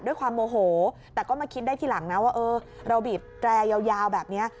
ด้วยความโมโหแต่ก็มาคิดได้ทีหลังนะว่าเออเราบีบแตรยาวแบบนี้